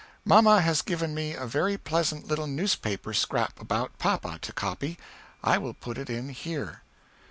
Mamma has given me a very pleasant little newspaper scrap about papa, to copy. I will put it in here.